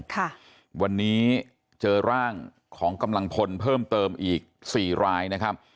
ค่ะวันนี้เจอร่างของกำลังพลเพิ่มเติมอีกสี่รายนะครับ